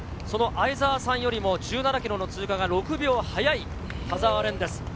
その相澤さんよりも、１７キロの通過が６秒早い田澤廉です。